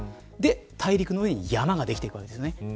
それで大陸の上に山ができていくわけですね。